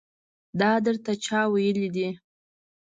دا درته چا ويلي دي.